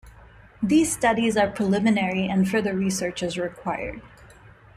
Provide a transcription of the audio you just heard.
These studies are preliminary and further research is required.